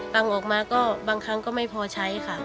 ออกมาก็บางครั้งก็ไม่พอใช้ค่ะ